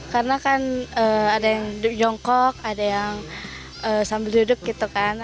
karena kan ada yang jongkok ada yang sambil duduk gitu kan